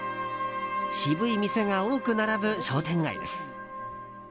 渋い店が多く並ぶ商店街です。